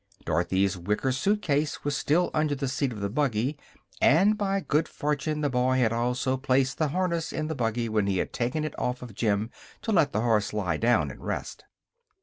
Dorothy's wicker suit case was still under the seat of the buggy, and by good fortune the boy had also placed the harness in the buggy when he had taken it off from Jim to let the horse lie down and rest.